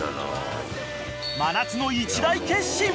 真夏の一大決心！